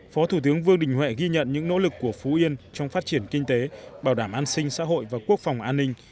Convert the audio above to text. phó thủ tướng vương đình huệ ghi nhận những nỗ lực của phú yên trong phát triển kinh tế bảo đảm an sinh xã hội và quốc phòng an ninh